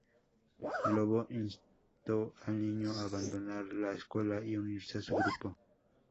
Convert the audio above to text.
Lobo instó al niño a abandonar la escuela y unirse a su grupo.